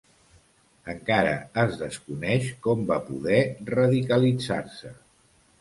Encara es desconeix com va poder radicalitzar-se.